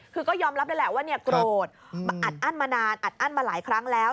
คือก็ยอมรับเลยแหละว่าเนี่ยโกรธอัดอั้นมานานอัดอั้นมาหลายครั้งแล้ว